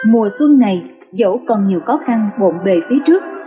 mùa xuân này dẫu còn nhiều khó khăn bộn bề phía trước